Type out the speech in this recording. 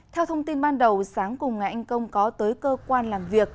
theo thông tin ban đầu sáng cùng ngày anh công có tới cơ quan làm việc